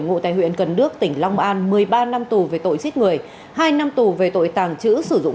ngụ tại huyện cần đước tỉnh long an một mươi ba năm tù về tội giết người hai năm tù về tội tàng trữ sử dụng